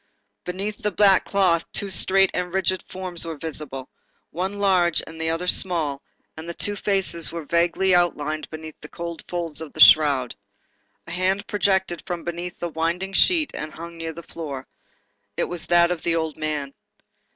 Beneath the black cloth two straight and rigid forms were visible, one large, the other small, and the two faces were vaguely outlined beneath the cold folds of the shroud. A hand projected from beneath the winding sheet and hung near the floor. It was that of the old man.